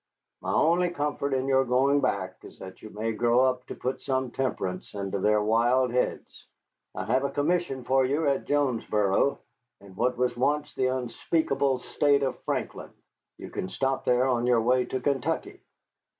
"My only comfort in your going back is that you may grow up to put some temperance into their wild heads. I have a commission for you at Jonesboro, in what was once the unspeakable State of Franklin. You can stop there on your way to Kentucky."